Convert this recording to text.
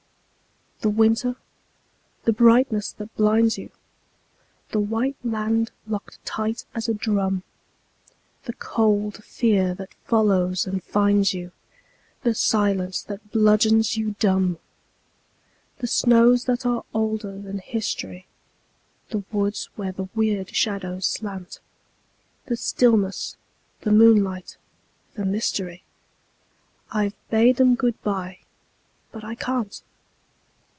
The winter! the brightness that blinds you, The white land locked tight as a drum, The cold fear that follows and finds you, The silence that bludgeons you dumb. The snows that are older than history, The woods where the weird shadows slant; The stillness, the moonlight, the mystery, I've bade 'em good by but I can't.